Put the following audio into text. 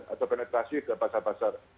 atau penetrasi ke pasar pasar